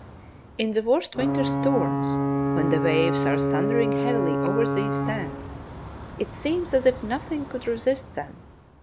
In the worst winter storms, when the waves are thundering heavily over these sands, it seems as if nothing could resist them.